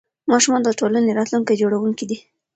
ماشومان د ټولنې راتلونکي جوړونکي دي.